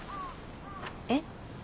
えっ？